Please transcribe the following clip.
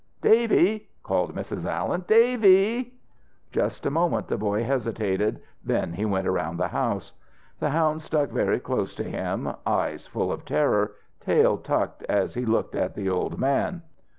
"Davy!" called Mrs. Allen. "Davy!" Just a moment the boy hesitated. Then he went around the house. The hound stuck very close to him, eyes full of terror, tail tucked as he looked at the old man.